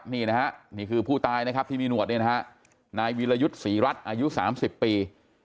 นี่คือผู้ตายที่มีหนวดนี่นะฮะนายวิรยุทธ์ศรีรัตน์อายุ๓๐ปี